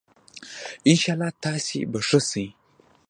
ان شاءاللّه تاسي به ښه سئ